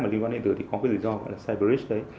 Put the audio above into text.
mà liên quan đến được thì có cái rủi ro gọi là cyber rich đấy